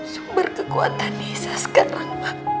sumber kekuatan nisa sekarang